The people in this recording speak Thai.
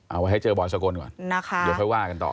เอาไว้ให้เจอบ่อยสกลก่อน